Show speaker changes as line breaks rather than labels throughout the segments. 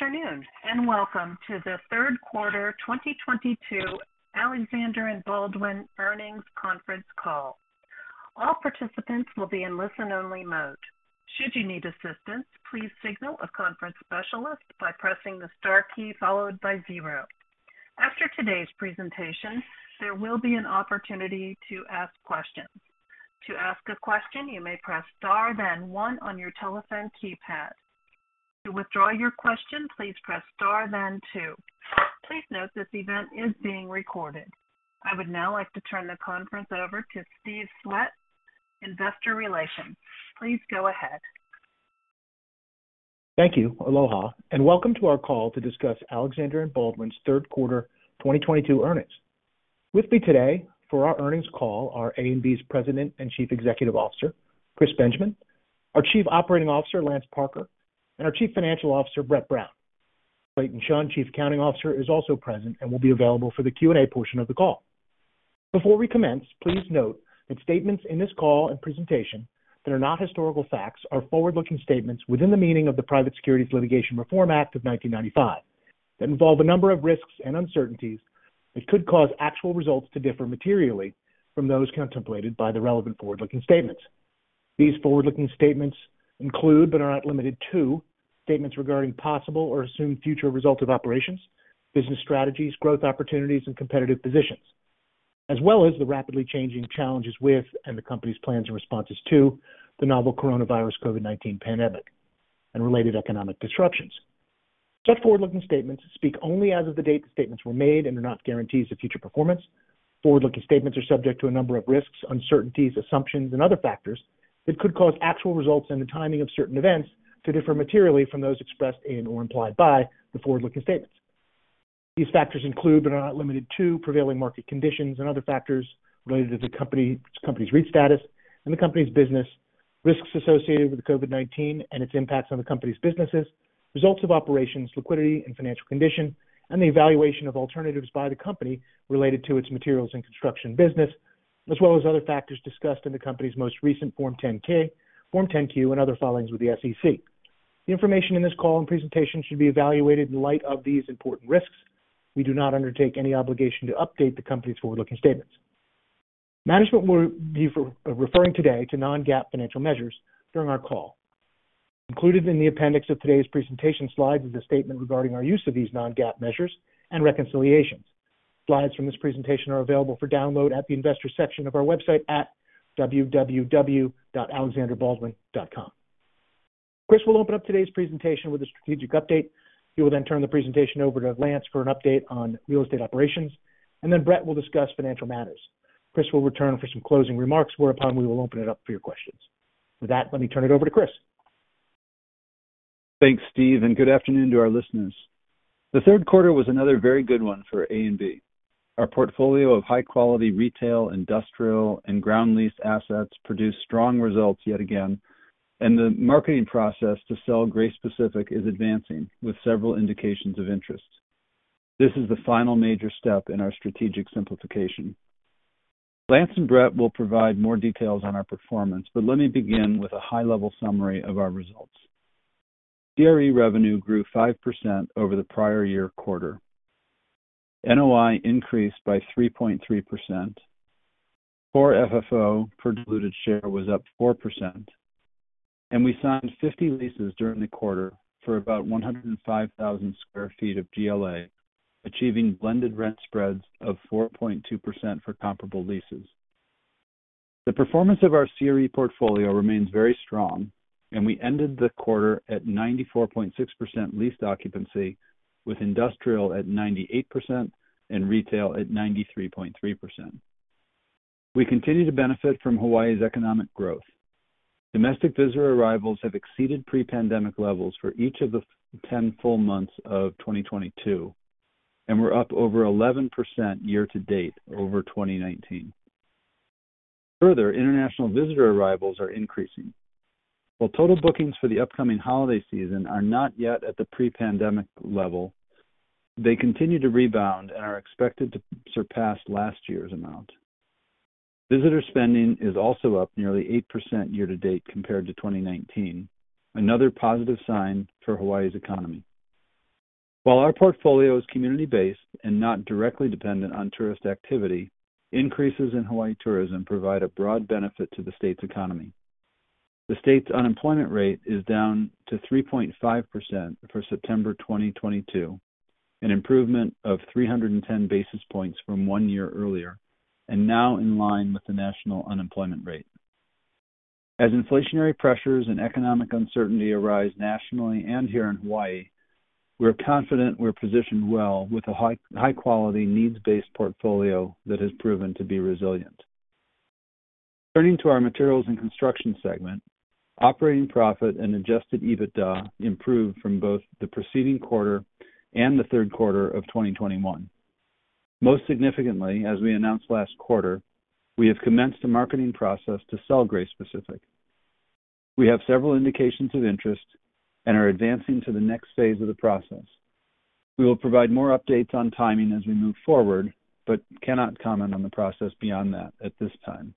Good afternoon, and welcome to the third quarter 2022 Alexander & Baldwin earnings conference call. All participants will be in listen-only mode. Should you need assistance, please signal a conference specialist by pressing the star key followed by zero. After today's presentation, there will be an opportunity to ask questions. To ask a question, you may press star then one on your telephone keypad. To withdraw your question, please press star then two. Please note this event is being recorded. I would now like to turn the conference over to Steve Swett, Investor Relations. Please go ahead.
Thank you. Aloha, and welcome to our call to discuss Alexander & Baldwin's third quarter 2022 earnings. With me today for our earnings call are A&B's President and Chief Executive Officer, Chris Benjamin, our Chief Operating Officer, Lance Parker, and our Chief Financial Officer, Brett Brown. Clayton Chun, Chief Accounting Officer, is also present and will be available for the Q&A portion of the call. Before we commence, please note that statements in this call and presentation that are not historical facts are forward-looking statements within the meaning of the Private Securities Litigation Reform Act of 1995 that involve a number of risks and uncertainties that could cause actual results to differ materially from those contemplated by the relevant forward-looking statements. These forward-looking statements include, but are not limited to, statements regarding possible or assumed future results of operations, business strategies, growth opportunities, and competitive positions, as well as the rapidly changing challenges with and the company's plans and responses to the novel coronavirus COVID-19 pandemic and related economic disruptions. Such forward-looking statements speak only as of the date the statements were made and are not guarantees of future performance. Forward-looking statements are subject to a number of risks, uncertainties, assumptions, and other factors that could cause actual results and the timing of certain events to differ materially from those expressed and/or implied by the forward-looking statements. These factors include, but are not limited to, prevailing market conditions and other factors related to the company's REIT status and the company's business risks associated with COVID-19 and its impacts on the company's businesses, results of operations, liquidity and financial condition, and the evaluation of alternatives by the company related to its materials and construction business, as well as other factors discussed in the company's most recent Form 10-K, Form 10-Q, and other filings with the SEC. The information in this call and presentation should be evaluated in light of these important risks. We do not undertake any obligation to update the company's forward-looking statements. Management will be referring today to non-GAAP financial measures during our call. Included in the appendix of today's presentation slides is a statement regarding our use of these non-GAAP measures and reconciliations. Slides from this presentation are available for download at the investor section of our website at www.alexanderbaldwin.com. Chris will open up today's presentation with a strategic update. He will then turn the presentation over to Lance for an update on real estate operations, and then Brett will discuss financial matters. Chris will return for some closing remarks, whereupon we will open it up for your questions. With that, let me turn it over to Chris.
Thanks, Steve, and good afternoon to our listeners. The third quarter was another very good one for A&B. Our portfolio of high-quality retail, industrial, and ground leased assets produced strong results yet again, and the marketing process to sell Grace Pacific is advancing with several indications of interest. This is the final major step in our strategic simplification. Lance and Brett will provide more details on our performance, but let me begin with a high-level summary of our results. CRE revenue grew 5% over the prior year quarter. NOI increased by 3.3%. Core FFO per diluted share was up 4%, and we signed 50 leases during the quarter for about 105,000 sq ft of GLA, achieving blended rent spreads of 4.2% for comparable leases. The performance of our CRE portfolio remains very strong, and we ended the quarter at 94.6% leased occupancy, with industrial at 98% and retail at 93.3%. We continue to benefit from Hawaii's economic growth. Domestic visitor arrivals have exceeded pre-pandemic levels for each of the 10 full months of 2022, and we're up over 11% year to date over 2019. Further, international visitor arrivals are increasing. While total bookings for the upcoming holiday season are not yet at the pre-pandemic level, they continue to rebound and are expected to surpass last year's amount. Visitor spending is also up nearly 8% year to date compared to 2019, another positive sign for Hawaii's economy. While our portfolio is community-based and not directly dependent on tourist activity, increases in Hawaii tourism provide a broad benefit to the state's economy. The state's unemployment rate is down to 3.5% for September 2022, an improvement of 310 basis points from one year earlier, and now in line with the national unemployment rate. As inflationary pressures and economic uncertainty arise nationally and here in Hawaii, we're confident we're positioned well with a high quality needs-based portfolio that has proven to be resilient. Turning to our materials and construction segment, operating profit and adjusted EBITDA improved from both the preceding quarter and the third quarter of 2021. Most significantly, as we announced last quarter, we have commenced a marketing process to sell Grace Pacific. We have several indications of interest and are advancing to the next phase of the process. We will provide more updates on timing as we move forward, but cannot comment on the process beyond that at this time.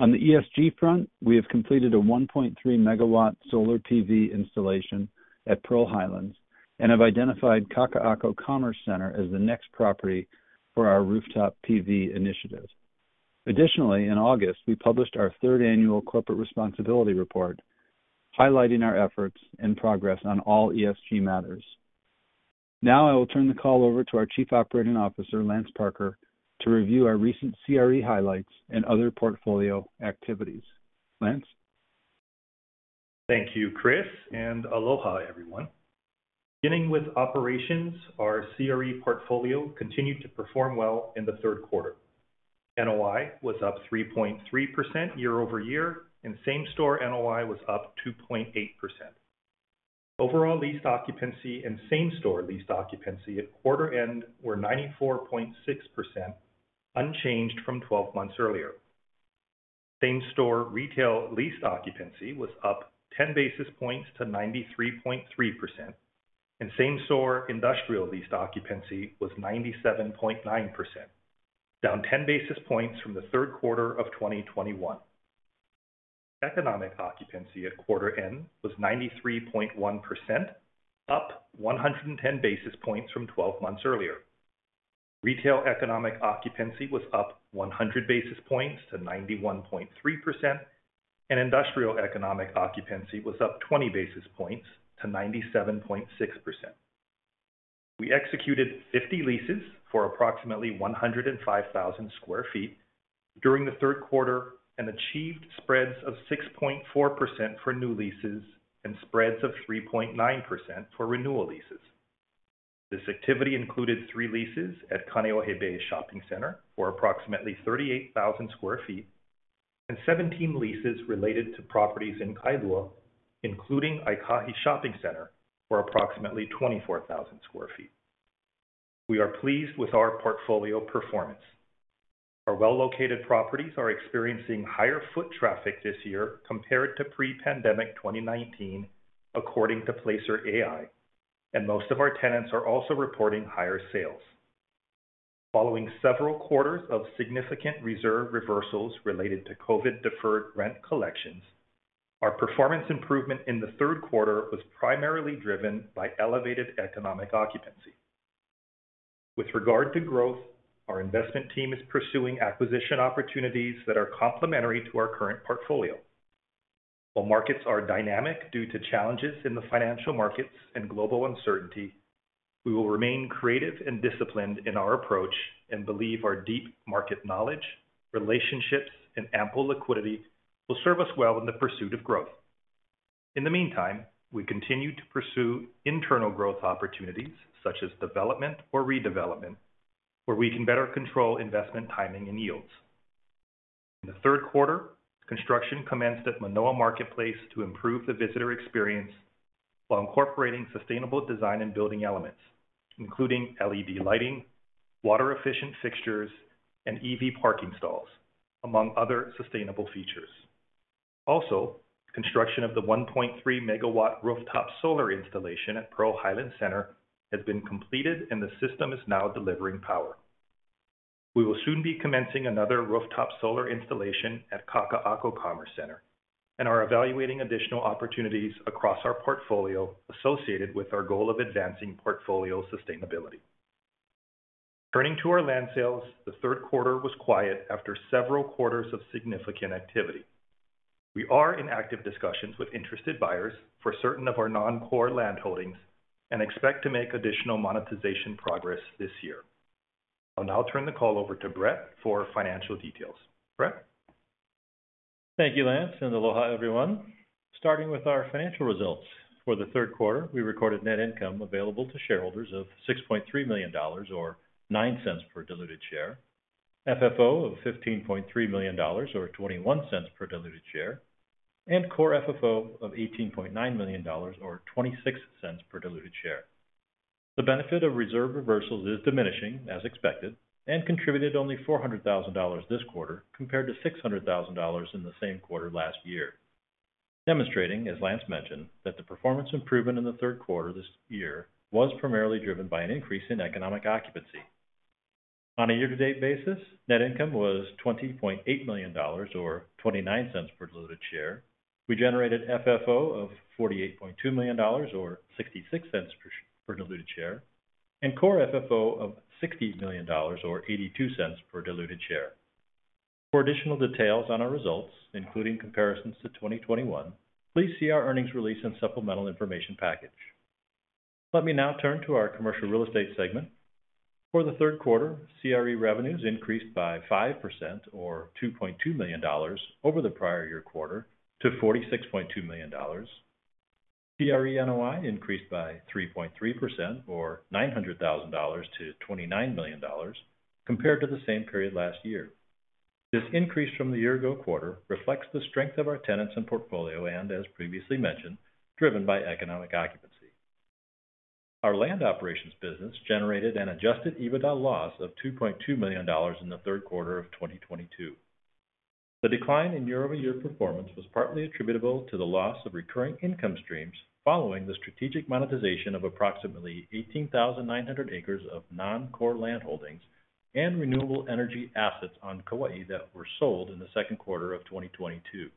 On the ESG front, we have completed a 1.3-megawatt solar PV installation at Pearl Highlands Center and have identified Kakaʻako Commerce Center as the next property for our rooftop PV initiative. Additionally, in August, we published our third annual corporate responsibility report, highlighting our efforts and progress on all ESG matters. Now I will turn the call over to our Chief Operating Officer, Lance Parker, to review our recent CRE highlights and other portfolio activities. Lance.
Thank you, Chris, and aloha everyone. Beginning with operations, our CRE portfolio continued to perform well in the third quarter. NOI was up 3.3% year over year, and same-store NOI was up 2.8%. Overall leased occupancy and same-store leased occupancy at quarter end were 94.6%, unchanged from twelve months earlier. Same-store retail leased occupancy was up 10 basis points to 93.3%, and same-store industrial leased occupancy was 97.9%, down 10 basis points from the third quarter of 2021. Economic occupancy at quarter end was 93.1%, up 110 basis points from twelve months earlier. Retail economic occupancy was up 100 basis points to 91.3%, and industrial economic occupancy was up 20 basis points to 97.6%. We executed 50 leases for approximately 105,000 sq ft during the third quarter and achieved spreads of 6.4% for new leases and spreads of 3.9% for renewal leases. This activity included 3 leases at Kaneohe Bay Shopping Center for approximately 38,000 sq ft and 17 leases related to properties in Kailua, including Aikahi Shopping Center for approximately 24,000 sq ft. We are pleased with our portfolio performance. Our well-located properties are experiencing higher foot traffic this year compared to pre-pandemic 2019 according to Placer.ai, and most of our tenants are also reporting higher sales. Following several quarters of significant reserve reversals related to COVID deferred rent collections, our performance improvement in the third quarter was primarily driven by elevated economic occupancy. With regard to growth, our investment team is pursuing acquisition opportunities that are complementary to our current portfolio. While markets are dynamic due to challenges in the financial markets and global uncertainty, we will remain creative and disciplined in our approach and believe our deep market knowledge, relationships, and ample liquidity will serve us well in the pursuit of growth. In the meantime, we continue to pursue internal growth opportunities such as development or redevelopment, where we can better control investment timing and yields. In the third quarter, construction commenced at Manoa Marketplace to improve the visitor experience while incorporating sustainable design and building elements, including LED lighting, water-efficient fixtures, and EV parking stalls, among other sustainable features. Construction of the 1.3 megawatt rooftop solar installation at Pearl Highlands Center has been completed and the system is now delivering power. We will soon be commencing another rooftop solar installation at Kakaʻako Commerce Center and are evaluating additional opportunities across our portfolio associated with our goal of advancing portfolio sustainability. Turning to our land sales, the third quarter was quiet after several quarters of significant activity. We are in active discussions with interested buyers for certain of our non-core land holdings and expect to make additional monetization progress this year. I'll now turn the call over to Brett for financial details. Brett.
Thank you, Lance, and aloha everyone. Starting with our financial results. For the third quarter, we recorded net income available to shareholders of $6.3 million or $0.09 per diluted share, FFO of $15.3 million or $0.21 per diluted share, and core FFO of $18.9 million or $0.26 per diluted share. The benefit of reserve reversals is diminishing as expected and contributed only $400 thousand this quarter compared to $600 thousand in the same quarter last year, demonstrating, as Lance mentioned, that the performance improvement in the third quarter this year was primarily driven by an increase in economic occupancy. On a year-to-date basis, net income was $20.8 million or $0.29 per diluted share. We generated FFO of $48.2 million or $0.66 per diluted share and core FFO of $60 million or $0.82 per diluted share. For additional details on our results, including comparisons to 2021, please see our earnings release and supplemental information package. Let me now turn to our commercial real estate segment. For the third quarter, CRE revenues increased by 5% or $2.2 million over the prior year quarter to $46.2 million. CRE NOI increased by 3.3% or $900,000 to $29 million compared to the same period last year. This increase from the year ago quarter reflects the strength of our tenants and portfolio and as previously mentioned, driven by economic occupancy. Our land operations business generated an adjusted EBITDA loss of $2.2 million in the third quarter of 2022. The decline in year-over-year performance was partly attributable to the loss of recurring income streams following the strategic monetization of approximately 18,900 acres of non-core landholdings and renewable energy assets on Kauai that were sold in the second quarter of 2022.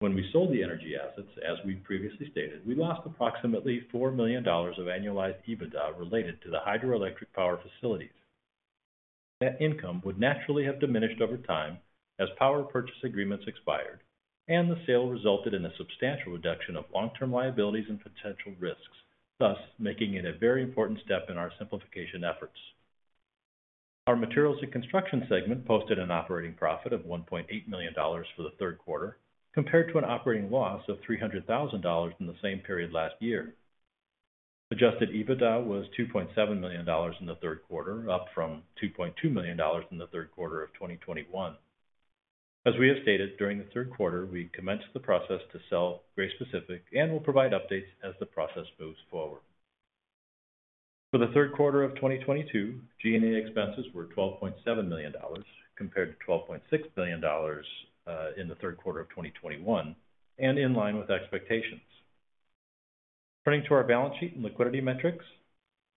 When we sold the energy assets, as we previously stated, we lost approximately $4 million of annualized EBITDA related to the hydroelectric power facilities. That income would naturally have diminished over time as power purchase agreements expired, and the sale resulted in a substantial reduction of long-term liabilities and potential risks, thus making it a very important step in our simplification efforts. Our materials and construction segment posted an operating profit of $1.8 million for the third quarter compared to an operating loss of $300,000 in the same period last year. Adjusted EBITDA was $2.7 million in the third quarter, up from $2.2 million in the third quarter of 2021. As we have stated, during the third quarter, we commenced the process to sell Grace Pacific and will provide updates as the process moves forward. For the third quarter of 2022, G&A expenses were $12.7 million compared to $12.6 million in the third quarter of 2021 and in line with expectations. Turning to our balance sheet and liquidity metrics,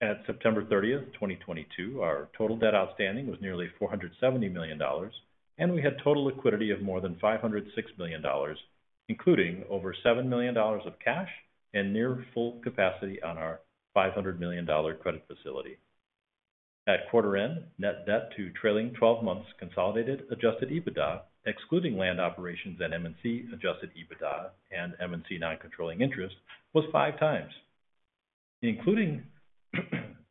at September 30, 2022, our total debt outstanding was nearly $470 million, and we had total liquidity of more than $506 million, including over $7 million of cash and near full capacity on our $500 million credit facility. At quarter end, net debt to trailing twelve months consolidated adjusted EBITDA, excluding land operations and M&C adjusted EBITDA and M&C non-controlling interest was 5x. Including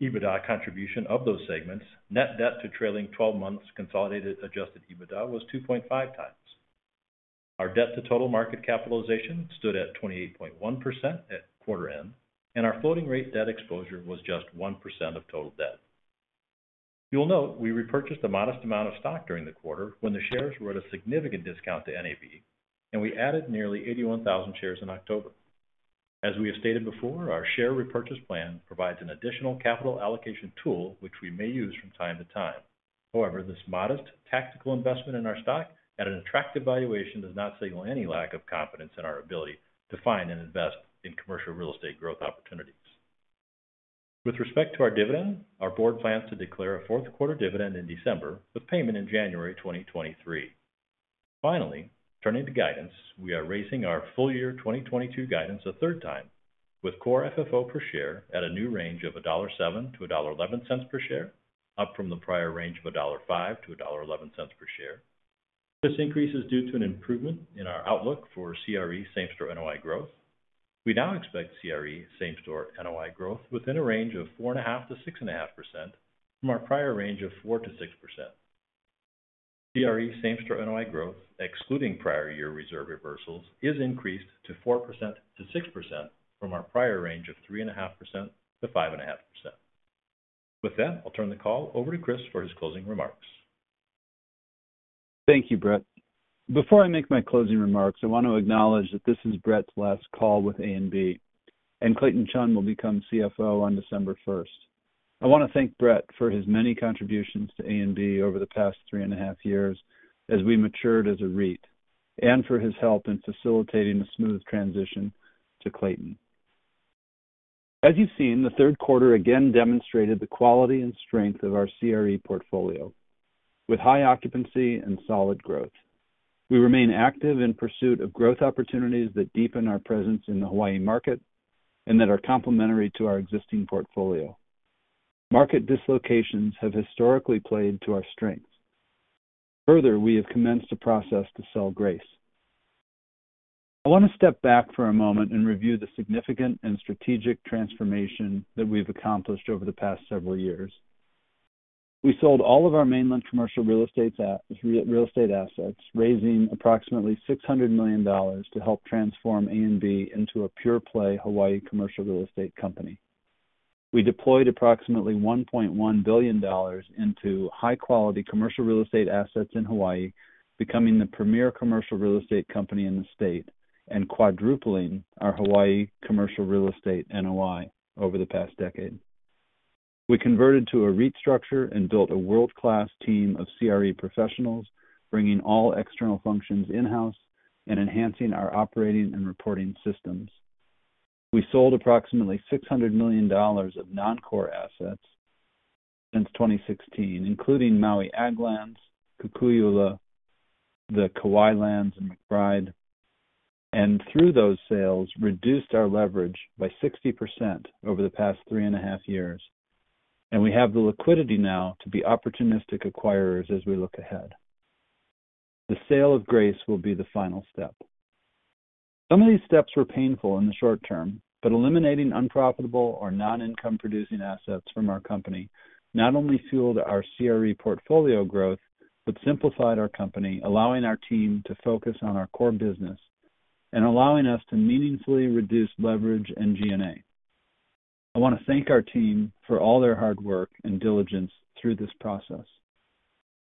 EBITDA contribution of those segments, net debt to trailing twelve months consolidated adjusted EBITDA was 2.5x. Our debt to total market capitalization stood at 28.1% at quarter end, and our floating rate debt exposure was just 1% of total debt. You'll note we repurchased a modest amount of stock during the quarter when the shares were at a significant discount to NAV, and we added nearly 81,000 shares in October. As we have stated before, our share repurchase plan provides an additional capital allocation tool which we may use from time to time. However, this modest tactical investment in our stock at an attractive valuation does not signal any lack of confidence in our ability to find and invest in commercial real estate growth opportunities. With respect to our dividend, our board plans to declare a fourth quarter dividend in December with payment in January 2023. Finally, turning to guidance, we are raising our full year 2022 guidance a third time with core FFO per share at a new range of $1.07-$1.11 per share, up from the prior range of $1.05-$1.11 per share. This increase is due to an improvement in our outlook for CRE same store NOI growth. We now expect CRE same store NOI growth within a range of 4.5%-6.5% from our prior range of 4%-6%. CRE same store NOI growth, excluding prior year reserve reversals, is increased to 4%-6% from our prior range of 3.5%-5.5%. With that, I'll turn the call over to Chris for his closing remarks.
Thank you, Brett. Before I make my closing remarks, I want to acknowledge that this is Brett's last call with A&B, and Clayton Chun will become CFO on December first. I want to thank Brett for his many contributions to A&B over the past three and a half years as we matured as a REIT, and for his help in facilitating a smooth transition to Clayton. As you've seen, the third quarter again demonstrated the quality and strength of our CRE portfolio with high occupancy and solid growth. We remain active in pursuit of growth opportunities that deepen our presence in the Hawaii market and that are complementary to our existing portfolio. Market dislocations have historically played to our strengths. Further, we have commenced a process to sell Grace Pacific. I want to step back for a moment and review the significant and strategic transformation that we've accomplished over the past several years. We sold all of our mainland commercial real estate assets, raising approximately $600 million to help transform A&B into a pure play Hawaii commercial real estate company. We deployed approximately $1.1 billion into high quality commercial real estate assets in Hawaii, becoming the premier commercial real estate company in the state and quadrupling our Hawaii commercial real estate NOI over the past decade. We converted to a REIT structure and built a world-class team of CRE professionals, bringing all external functions in-house and enhancing our operating and reporting systems. We sold approximately $600 million of non-core assets since 2016, including Maui agricultural lands, Kukuiʻula, the Kauai lands, and McBryde, and through those sales, reduced our leverage by 60% over the past three and a half years. We have the liquidity now to be opportunistic acquirers as we look ahead. The sale of Grace Pacific will be the final step. Some of these steps were painful in the short term, but eliminating unprofitable or non-income producing assets from our company not only fueled our CRE portfolio growth, but simplified our company, allowing our team to focus on our core business and allowing us to meaningfully reduce leverage and G&A. I want to thank our team for all their hard work and diligence through this process.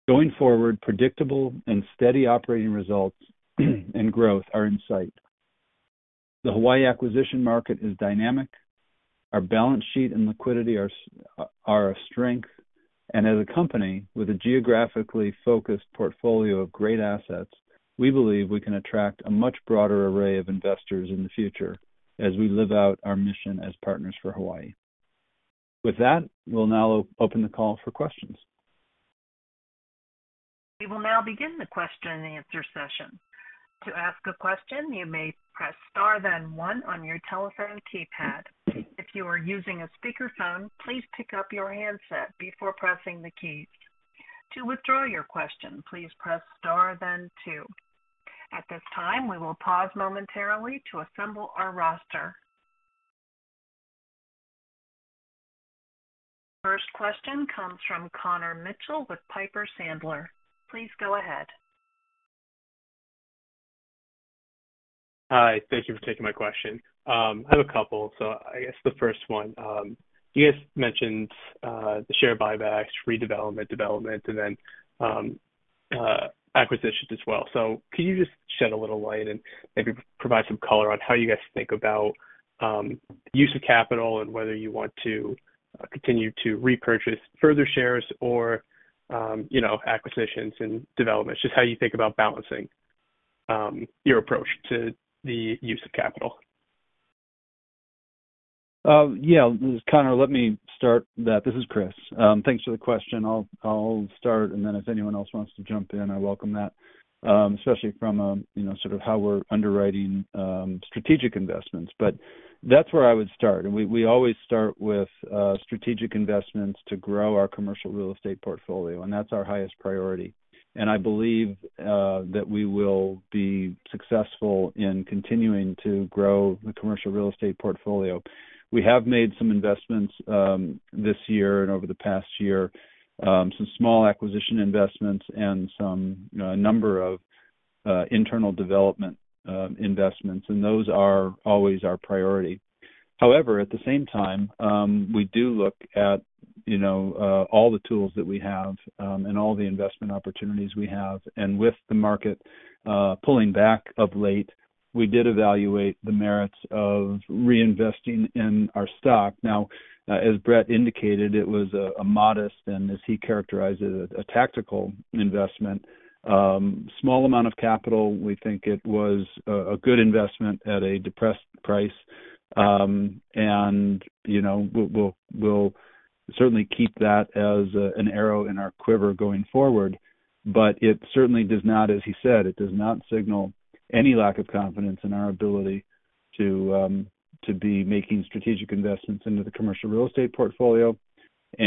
Going forward, predictable and steady operating results and growth are in sight. The Hawaii acquisition market is dynamic. Our balance sheet and liquidity are a strength. As a company with a geographically focused portfolio of great assets, we believe we can attract a much broader array of investors in the future as we live out our mission as partners for Hawaii. With that, we'll now open the call for questions.
We will now begin the question and answer session. To ask a question, you may press star then one on your telephone keypad. If you are using a speakerphone, please pick up your handset before pressing the keys. To withdraw your question, please press star then two. At this time, we will pause momentarily to assemble our roster. First question comes from Connor Mitchell with Piper Sandler. Please go ahead.
Hi. Thank you for taking my question. I have a couple. I guess the first one, you guys mentioned the share buybacks, redevelopment, development, and then acquisitions as well. Can you just shed a little light and maybe provide some color on how you guys think about use of capital and whether you want to continue to repurchase further shares or, you know, acquisitions and developments? Just how you think about balancing your approach to the use of capital.
Yeah. Connor, let me start that. This is Chris. Thanks for the question. I'll start, and then if anyone else wants to jump in, I welcome that, especially from, you know, sort of how we're underwriting strategic investments. That's where I would start. We always start with strategic investments to grow our commercial real estate portfolio, and that's our highest priority. I believe that we will be successful in continuing to grow the commercial real estate portfolio. We have made some investments this year and over the past year, some small acquisition investments and some, a number of, internal development investments, and those are always our priority. However, at the same time, we do look at, you know, all the tools that we have, and all the investment opportunities we have. With the market pulling back of late, we did evaluate the merits of reinvesting in our stock. Now, as Brett indicated, it was a modest and, as he characterized it, a tactical investment. Small amount of capital. We think it was a good investment at a depressed price. You know, we'll certainly keep that as an arrow in our quiver going forward. It certainly does not, as he said, signal any lack of confidence in our ability to be making strategic investments into the commercial real estate portfolio. I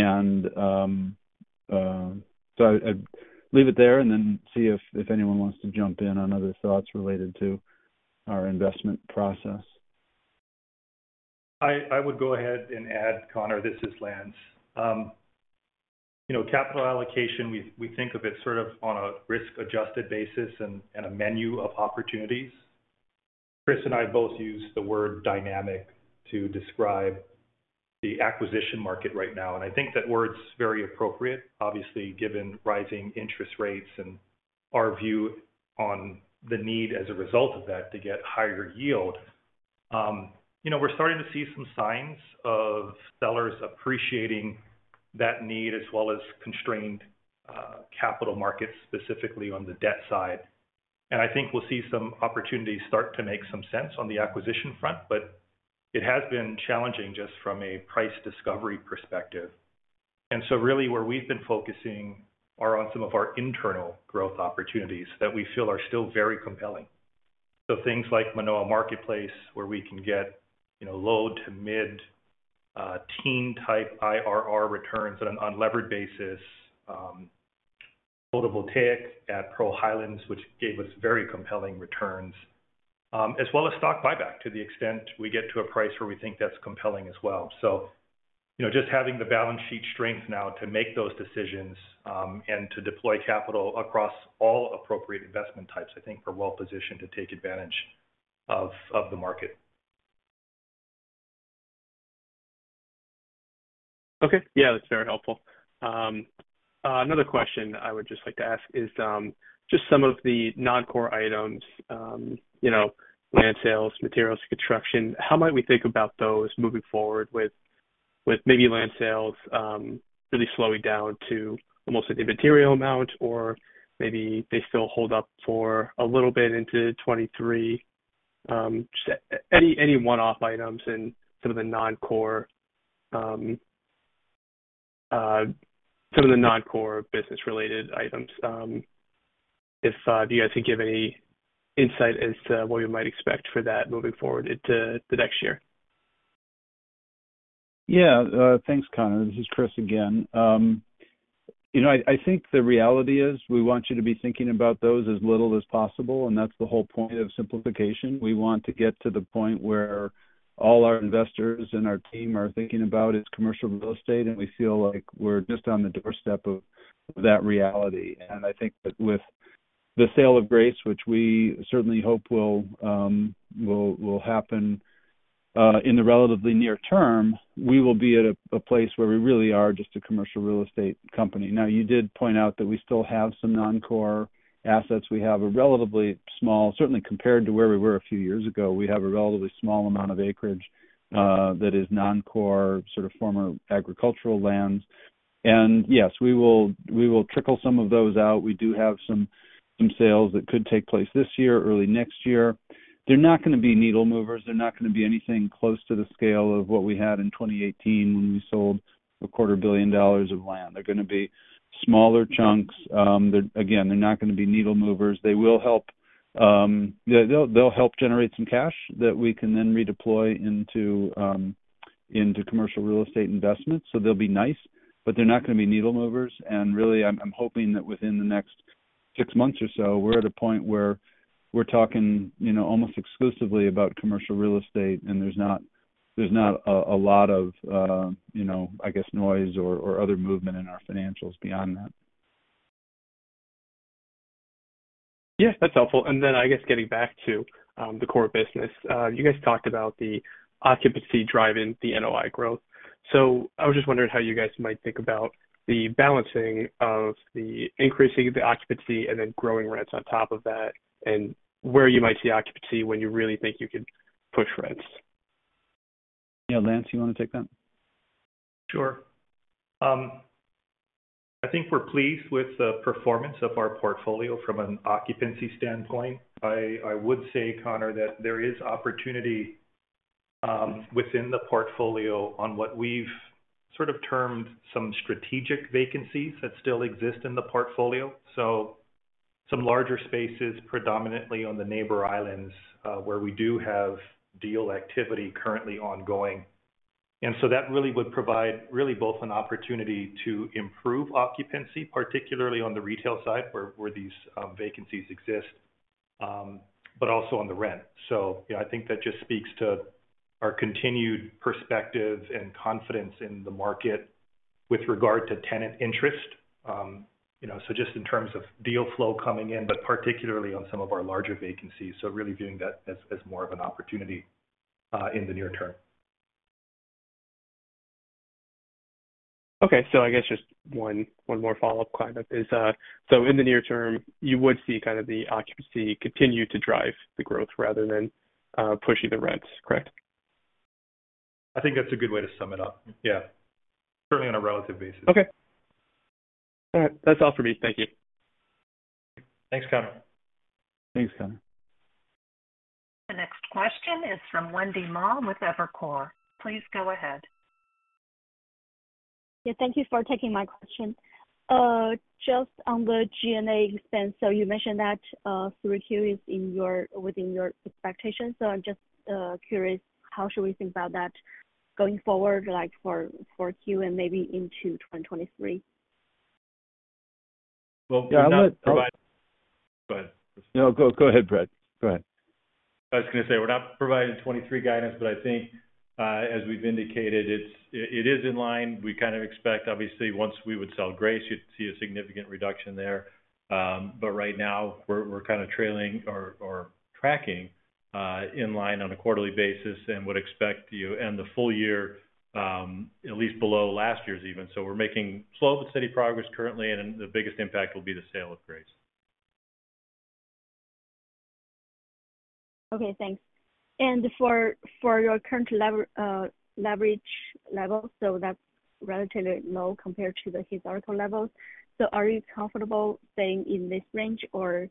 leave it there and then see if anyone wants to jump in on other thoughts related to our investment process.
I would go ahead and add, Connor, this is Lance. You know, capital allocation, we think of it sort of on a risk-adjusted basis and a menu of opportunities. Chris and I both use the word dynamic to describe the acquisition market right now, and I think that word's very appropriate, obviously, given rising interest rates and our view on the need as a result of that to get higher yield. You know, we're starting to see some signs of sellers appreciating that need, as well as constrained capital markets, specifically on the debt side. I think we'll see some opportunities start to make some sense on the acquisition front. It has been challenging just from a price discovery perspective. Really where we've been focusing are on some of our internal growth opportunities that we feel are still very compelling. Things like Manoa Marketplace, where we can get, you know, low to mid teen type IRR returns on an unlevered basis, photovoltaic at Pearl Highlands, which gave us very compelling returns, as well as stock buyback to the extent we get to a price where we think that's compelling as well. You know, just having the balance sheet strength now to make those decisions, and to deploy capital across all appropriate investment types, I think we're well positioned to take advantage of the market.
Okay. Yeah, that's very helpful. Another question I would just like to ask is just some of the non-core items, you know, land sales, materials, construction, how might we think about those moving forward with maybe land sales really slowing down to almost an immaterial amount? Or maybe they still hold up for a little bit into 2023. Just any one-off items and some of the non-core business related items. If you guys can give any insight as to what we might expect for that moving forward into the next year?
Yeah. Thanks, Connor. This is Chris again. You know, I think the reality is we want you to be thinking about those as little as possible, and that's the whole point of simplification. We want to get to the point where all our investors and our team are thinking about is commercial real estate, and we feel like we're just on the doorstep of that reality. I think that with the sale of Grace, which we certainly hope will happen in the relatively near term, we will be at a place where we really are just a commercial real estate company. Now, you did point out that we still have some non-core assets. We have a relatively small, certainly compared to where we were a few years ago, we have a relatively small amount of acreage that is non-core, sort of former agricultural lands. Yes, we will trickle some of those out. We do have some sales that could take place this year or early next year. They're not gonna be needle movers. They're not gonna be anything close to the scale of what we had in 2018 when we sold a quarter billion dollars of land. They're gonna be smaller chunks. They're again not gonna be needle movers. They will help. Yeah, they'll help generate some cash that we can then redeploy into commercial real estate investments. They'll be nice, but they're not gonna be needle movers. Really, I'm hoping that within the next six months or so, we're at a point where we're talking, you know, almost exclusively about commercial real estate, and there's not a lot of, you know, I guess, noise or other movement in our financials beyond that.
Yes, that's helpful. I guess getting back to the core business. You guys talked about the occupancy driving the NOI growth. I was just wondering how you guys might think about the balancing of the increasing of the occupancy and then growing rents on top of that, and where you might see occupancy when you really think you could push rents?
Yeah. Lance, you wanna take that?
Sure. I think we're pleased with the performance of our portfolio from an occupancy standpoint. I would say, Connor, that there is opportunity within the portfolio on what we've sort of termed some strategic vacancies that still exist in the portfolio. Some larger spaces, predominantly on the Neighbor Islands, where we do have deal activity currently ongoing. That really would provide really both an opportunity to improve occupancy, particularly on the retail side where these vacancies exist, but also on the rent. Yeah, I think that just speaks to our continued perspective and confidence in the market with regard to tenant interest. You know, just in terms of deal flow coming in, but particularly on some of our larger vacancies. Really viewing that as more of an opportunity in the near term.
Okay. I guess just one more follow-up comment is, so in the near term, you would see kind of the occupancy continue to drive the growth rather than pushing the rents, correct?
I think that's a good way to sum it up. Yeah. Certainly on a relative basis.
Okay. All right. That's all for me. Thank you.
Thanks, Connor.
Thanks, Connor.
The next question is from Wendy Ma with Evercore. Please go ahead.
Yeah, thank you for taking my question. Just on the G&A expense, you mentioned that through Q3 is within your expectations. I'm just curious, how should we think about that going forward, like for Q4 and maybe into 2023?
Well, we're not providing.
Yeah. Oh.
Go ahead. No, go ahead, Brad. Go ahead. I was gonna say, we're not providing 2023 guidance, but I think, as we've indicated, it is in line. We kind of expect, obviously once we would sell Grace, you'd see a significant reduction there. But right now we're kind of trailing or tracking in line on a quarterly basis and would expect and the full year, at least below last year's even. We're making slow but steady progress currently, and the biggest impact will be the sale of Grace.
Okay, thanks. For your current leverage level, that's relatively low compared to the historical levels. Are you comfortable staying in this range or,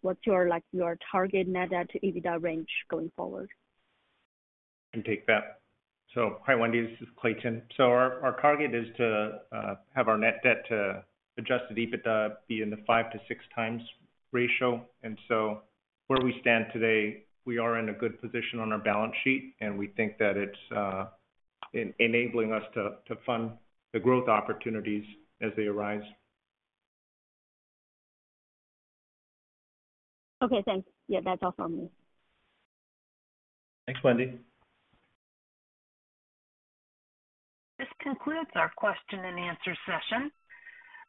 what's your, like, your target net debt to EBITDA range going forward?
I can take that. Hi, Wendy, this is Clayton. Our target is to have our net debt to adjusted EBITDA be in the 5-6 times ratio. Where we stand today, we are in a good position on our balance sheet, and we think that it's enabling us to fund the growth opportunities as they arise.
Okay, thanks. Yeah, that's all from me.
Thanks, Wendy.
This concludes our question and answer session.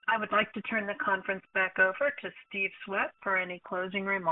I would like to turn the conference back over to Steve Swett for any closing remarks.